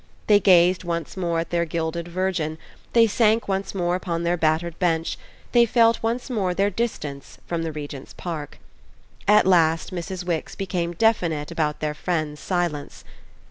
They gazed once more at their gilded Virgin; they sank once more upon their battered bench; they felt once more their distance from the Regent's Park. At last Mrs. Wix became definite about their friend's silence.